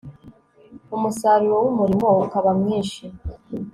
umusaruro w'umurimo ukaba mwinshi